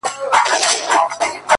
• كه موږك هر څه غښتلى گړندى سي,